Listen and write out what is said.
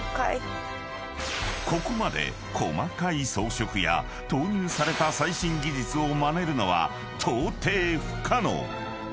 ［ここまで細かい装飾や投入された最新技術をまねるのはとうてい不可能］